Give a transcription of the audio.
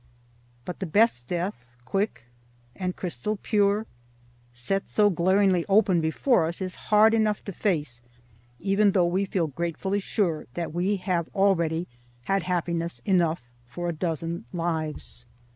But the best death, quick and crystal pure, set so glaringly open before us, is hard enough to face, even though we feel gratefully sure that we have already had happiness enough for a dozen lives.